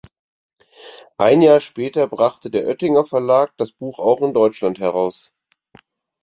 Ein Jahr später brachte der Oetinger Verlag das Buch auch in Deutschland heraus.